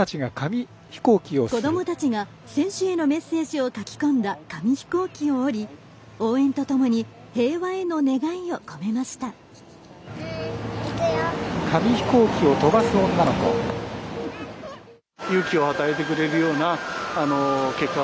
子どもたちが、選手へのメッセージを書き込んだ紙飛行機を折り応援とともに平和へのメッセージを込めました。